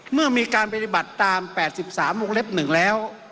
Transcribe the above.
เมื่อมีการปฏิบัติตาม๘๓วงเล็บ๑แล้ว